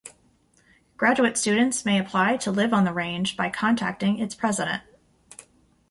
Graduate students may apply to live on the Range by contacting its president.